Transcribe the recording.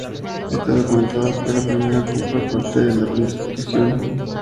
Está documentada que fue la primera compra por parte de esa institución.